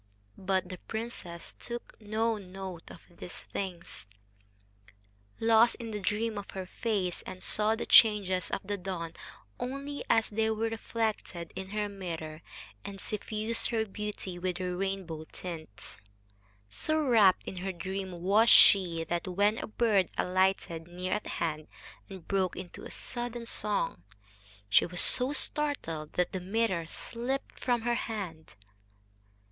But the princess took no note of these things, lost in the dream of her face, and saw the changes of the dawn only as they were reflected in her mirror and suffused her beauty with their rainbow tints. So rapt in her dream was she that, when a bird alighted near at hand and broke into sudden song, she was so startled that the mirror slipped from her hand.